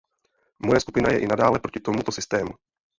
Moje skupina je i nadále proti tomuto systému.